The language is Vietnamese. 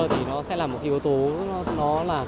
thì nó sẽ là một cái yếu tố